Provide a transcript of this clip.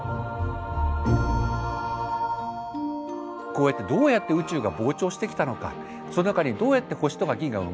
こうやってどうやって宇宙が膨張してきたのかその中にどうやって星とか銀河が生まれたのか。